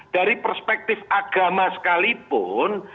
dari perspektif agama sekalipun